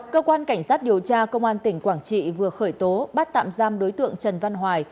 cơ quan cảnh sát điều tra công an tỉnh quảng trị vừa khởi tố bắt tạm giam đối tượng trần văn hoài